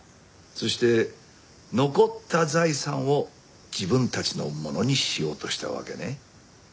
そして残った財産を自分たちのものにしようとしたわけね。